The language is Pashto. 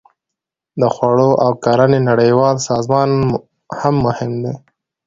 د خوړو او کرنې نړیوال سازمان هم مهم دی